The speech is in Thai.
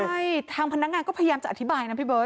ใช่ทางพนักงานก็พยายามจะอธิบายนะพี่เบิร์